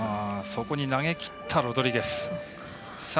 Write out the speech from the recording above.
そこに投げきったロドリゲス。